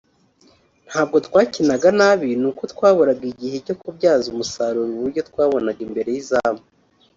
ntabwo twakinaga nabi nuko twaburaga ikintu cyo kubyaza umusaruro uburyo twabonaga imbere y’izamu